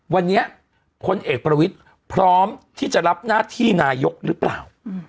วันนี้พลเอกประวิทย์พร้อมที่จะรับหน้าที่นายกหรือเปล่า